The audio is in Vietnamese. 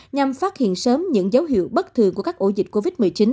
nhằm phát hiện sớm những dấu hiệu bất thường của các ổ dịch covid một mươi chín